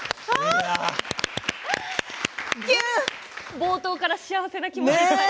冒頭から幸せな気分に。